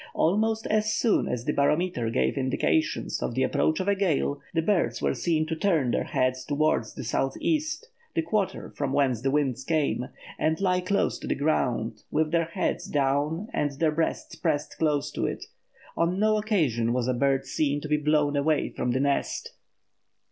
Almost as soon as the barometer gave indications of the approach of a gale, the birds were seen to turn their heads towards the south east, the quarter from whence the wind came, and lie close to the ground, with their heads down and their breasts pressed close to it. On no occasion was a bird seen to be blown away from the nest.